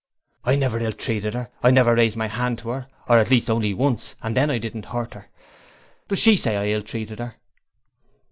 'I never ill treated her! I never raised my hand to her at least only once, and then I didn't hurt her. Does she say I ill treated her.'